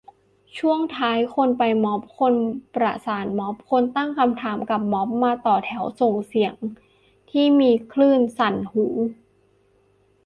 ช่วงท้าย คนไปม็อบ คนประสานม็อบ คนตั้งคำถามกับม็อบ มาต่อแถวส่งเสียง ที่มีคลื่นสั่นหู